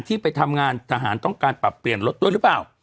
ที่ไปทำงานทหารต้องการปรับเปลี่ยนรถด้วยหรือเปล่า